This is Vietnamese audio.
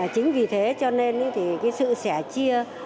chính vì thế cho nên thì cái sự sẻ chia